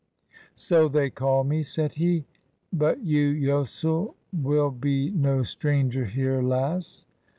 " So they call me," said he ;" but you yosel will be no stranger here, lass."